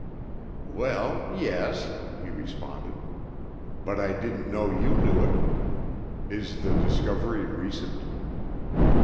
"Well, yes," he responded, "but I didn't know you knew it. Is the discovery recent?"